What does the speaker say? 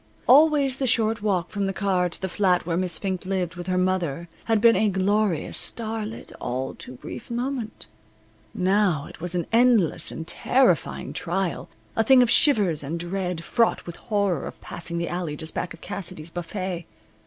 Always the short walk from the car to the flat where Miss Fink lived with her mother had been a glorious, star lit, all too brief moment. Now it was an endless and terrifying trial, a thing of shivers and dread, fraught with horror of passing the alley just back of Cassidey's buffet.